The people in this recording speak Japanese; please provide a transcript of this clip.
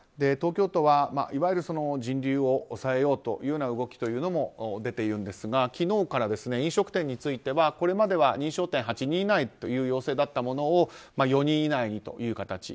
東京都はいわゆる人流を抑えようというような動きも出ているんですが昨日から飲食店についてはこれまでは認証店８人以内という要請だったものを４人以内にという形。